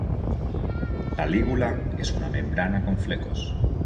La lígula es una membrana con flecos.